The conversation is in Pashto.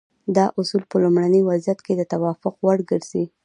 دا اصول په لومړني وضعیت کې د توافق وړ ګرځي.